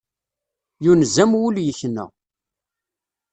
Yunez-am wul yekna.